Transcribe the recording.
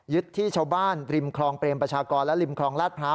ยึดที่ชาวบ้านริมครองเปรียญประชากรและริมครองราชพร้าว